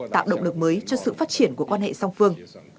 tạo động lực mới cho sự phát triển của quan hệ song phương